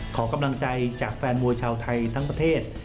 ขอกำลังใจจากแฟนมวยชาวไทยทั้งประเทศ